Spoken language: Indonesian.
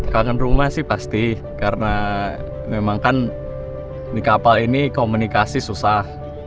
kangen rumah sih pasti karena memang kan di kapal ini komunikasi susah